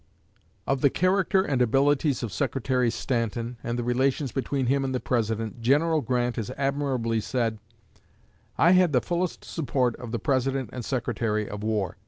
Of the character and abilities of Secretary Stanton, and the relations between him and the President, General Grant has admirably said: "I had the fullest support of the President and Secretary of War.